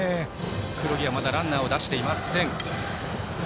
黒木はまだランナー出していません。